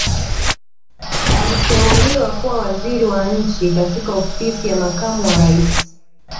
Aliteuliwa kuwa Waziri wa Nchi katika Ofisi ya Makamu wa Rais